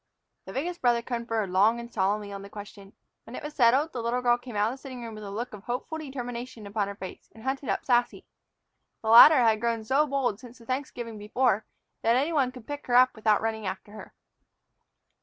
The biggest brother conferred long and solemnly on the question. When it was settled, the little girl came out of the sitting room with a look of hopeful determination upon her face and hunted up Sassy. The latter had grown so bold since the Thanksgiving before that any one could pick her up without running after her.